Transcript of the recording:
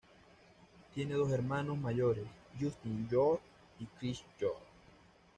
Tiene dos hermanos mayores, Justin York y Chris York.